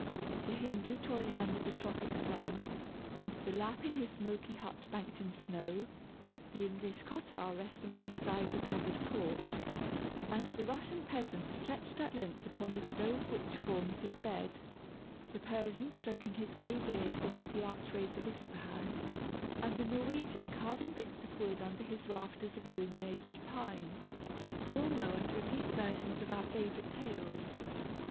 The Hindoo toiling under the tropic sun, and the Lapp in his smoky hut banked in snow; the English cottar resting in his ivy covered porch, and the Russian peasant stretched at length upon the stove which forms his bed; the Persian stroking his gray beard beneath the archways of Ispahan, and the Norwegian carving bits of wood under his rafters of illuminated pine all know and repeat versions of our favorite tales.